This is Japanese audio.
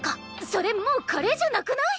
それもうカレーじゃなくない⁉